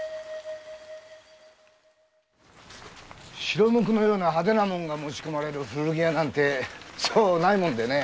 白無垢のような派手なもんが持ち込まれる古着屋なんてそうないもんでね。